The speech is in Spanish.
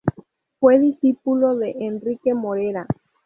Fue discípulo de Enrique Morera.